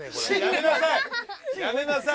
やめなさい！